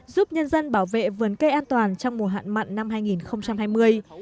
giúp nhân dân bảo vệ vườn cây an toàn trong mùa hạn mặn năm hai nghìn hai mươi